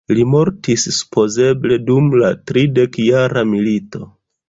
Li mortis supozeble dum la tridekjara milito.